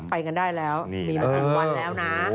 ไปกันได้แล้วมีมา๔วันแล้วนะ